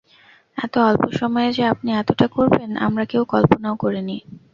এত অল্প সময়ে যে আপনি এতটা করবেন, আমরা কেউ কল্পনাও করি নি।